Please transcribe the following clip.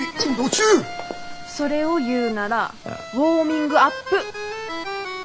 それを言うなら「ウォーミングアップ」！